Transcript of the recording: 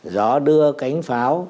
gió đưa cánh pháo